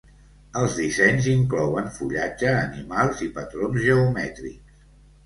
Els dissenys inclouen fullatge, animals i patrons geomètrics.